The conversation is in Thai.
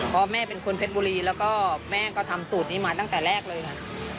เพราะแม่เป็นคนเพชรบุรีแล้วก็แม่ก็ทำสูตรนี้มาตั้งแต่แรกเลยค่ะ